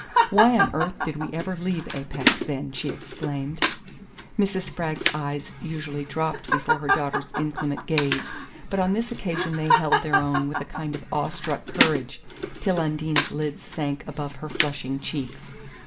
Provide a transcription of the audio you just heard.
"Why on earth did we ever leave Apex, then?" she exclaimed. Mrs. Spragg's eyes usually dropped before her daughter's inclement gaze; but on this occasion they held their own with a kind of awe struck courage, till Undine's lids sank above her flushing cheeks.